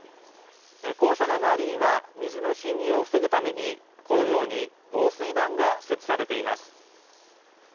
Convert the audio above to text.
校舎の周りには水の侵入を防ぐために、このように防水板が設置されています。